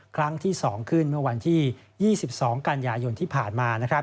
ครั้งที่๒ขึ้นเมื่อวันที่๒๒กันยายนที่ผ่านมา